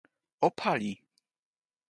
o pali!